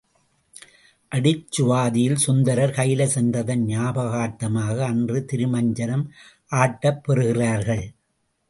ஆடிச்சுவாதியில் சுந்தரர் கயிலை சென்றதன் ஞாபகார்த்தமாக அன்று திருமஞ்சனம் ஆட்டப் பெறுகிறார்கள்.